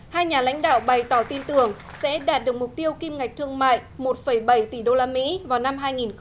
hai nhà lãnh đạo bày tỏ tin tưởng sẽ đạt được mục tiêu kim ngạch thương mại một bảy tỷ usd vào năm hai nghìn hai mươi